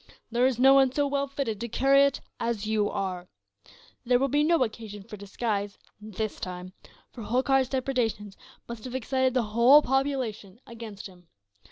There is no one so well fitted to carry it as you are. There will be no occasion for disguise, this time; for Holkar's depredations must have excited the whole population against him.